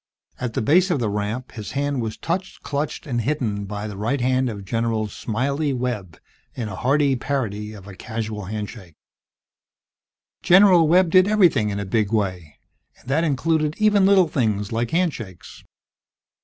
At the base of the ramp his hand was touched, clutched and hidden by the right hand of General "Smiley" Webb in a hearty parody of a casual handshake. General Webb did everything in a big way, and that included even little things like handshakes.